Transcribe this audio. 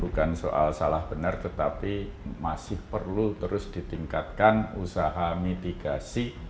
bukan soal salah benar tetapi masih perlu terus ditingkatkan usaha mitigasi